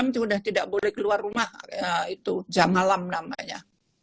enam sudah tidak boleh keluar rumah itu jam malam namanya